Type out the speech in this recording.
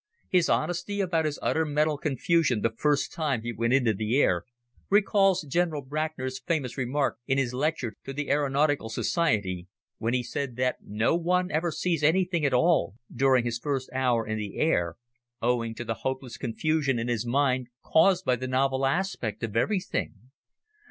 His honesty about his utter mental confusion the first time he went into the air recalls General Brancker's famous remark in his lecture to the Aeronautical Society when he said that no one ever sees anything at all during his first hour in the air owing to the hopeless confusion in his mind caused by the novel aspect of everything.